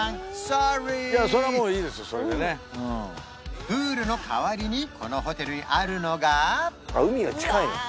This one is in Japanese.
ソーリープールの代わりにこのホテルにあるのが海が近いなうわ